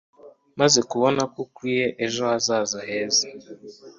umaze kubona ko ukwiye ejo hazaza heza